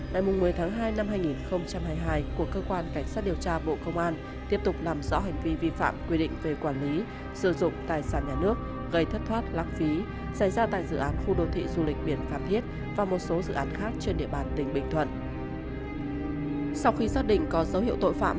ngày một mươi tháng hai năm hai nghìn hai mươi hai của cơ quan cảnh sát điều tra bộ công an tiếp tục làm rõ hành vi vi phạm quy định về quản lý sử dụng tài sản nhà nước gây thất thoát lãng phí xảy ra tại dự án khu đô thị du lịch biển phan thiết và một số dự án khác trên địa bàn tỉnh bình thuận